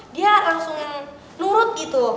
dia langsung nurut gitu